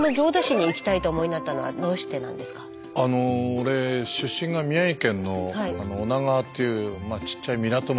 俺出身が宮城県の女川というちっちゃい港町。